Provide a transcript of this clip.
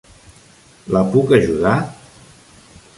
La puc ajudar?